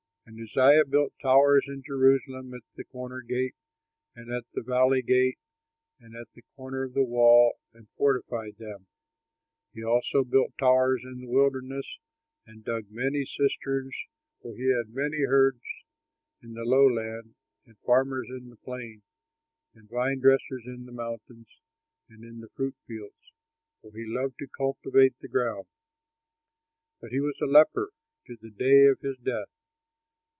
And Uzziah built towers in Jerusalem at the Corner Gate and at the Valley Gate and at the corner of the wall, and fortified them. He also built towers in the wilderness and dug many cisterns, for he had many herds in the lowland and farmers in the plain and vine dressers in the mountains and in the fruitful fields, for he loved to cultivate the ground. But he was a leper to the day of his death.